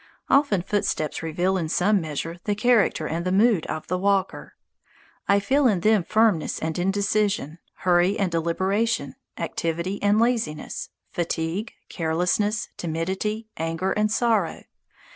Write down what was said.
Often footsteps reveal in some measure the character and the mood of the walker. I feel in them firmness and indecision, hurry and deliberation, activity and laziness, fatigue, carelessness, timidity, anger, and sorrow.